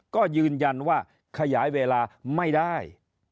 ก็ยืนยันว่าขยายเวลาไม่ได้